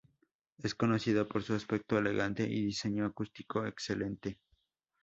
Es conocido por su aspecto elegante y diseño acústico excelente.